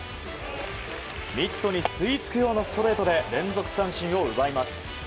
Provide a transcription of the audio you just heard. ミットに吸い付くようなストレートで連続三振を奪います。